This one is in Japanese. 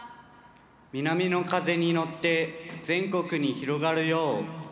南の風に乗って全国に広がるよう。